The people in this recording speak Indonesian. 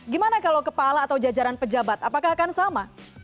gimana kalau kepala atau jajaran pejabat apakah akan sama